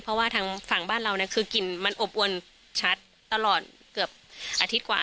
เพราะว่าทางฝั่งบ้านเราเนี่ยคือกลิ่นมันอบอวนชัดตลอดเกือบอาทิตย์กว่า